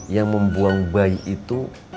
yang membuang bayi itu